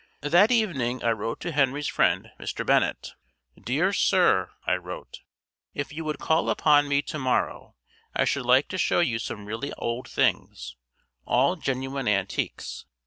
That evening I wrote to Henry's friend, Mr. Bennett. "Dear Sir," I wrote, "if you would call upon me to morrow I should like to show you some really old things, all genuine antiques.